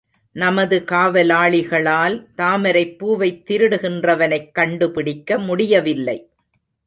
நமது காவலாளிகளால் தாமரைப் பூவைத் திருடுகின்றவனைக் கண்டுபிடிக்க முடியவில்லை.